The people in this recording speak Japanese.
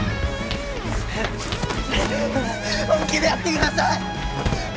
本気でやってください！